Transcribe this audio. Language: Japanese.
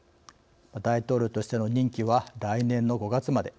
大統領としての任期は来年の５月まで。